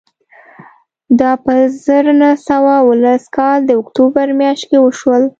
دا په زر نه سوه اوولس کال د اکتوبر میاشت کې وشول